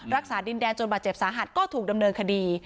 รักษาดินแดนจนบาดเจ็บสาหัสก็ถูกดำเนินคดี